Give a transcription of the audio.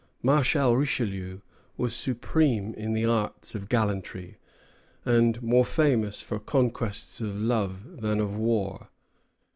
Marshal Richelieu was supreme in the arts of gallantry, and more famous for conquests of love than of war.